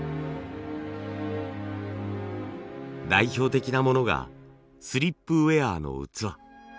代表的なものがスリップウェアの器。